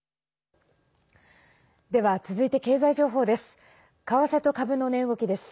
では、続いて経済情報です。